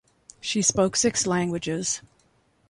She spoke six languages.